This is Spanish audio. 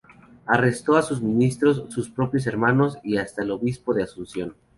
Arrestó a sus ministros, sus propios hermanos y hasta al obispo de Asunción.